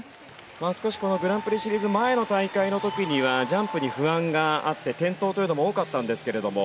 少しこのグランプリシリーズ前の大会の時にはジャンプに不安があって転倒というのも多かったんですけれども。